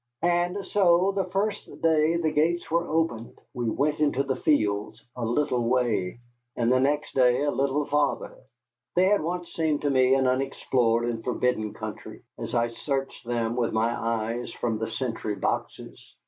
And so the first day the gates were opened we went into the fields a little way; and the next day a little farther. They had once seemed to me an unexplored and forbidden country as I searched them with my eyes from the sentry boxes.